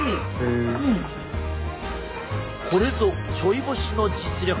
これぞちょい干しの実力！